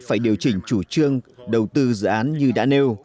phải điều chỉnh chủ trương đầu tư dự án như đã nêu